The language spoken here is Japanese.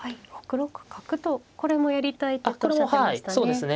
これもやりたい手とおっしゃっていましたね。